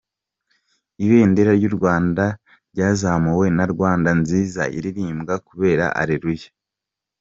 Ibendera ry’u Rwanda ryazamuwe na Rwanda nziza iririmbwa kubera Areruya